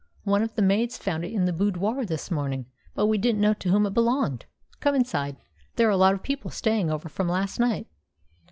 One of the maids found it in the boudoir this morning, but we didn't know to whom it belonged. Come inside. There are a lot of people staying over from last night."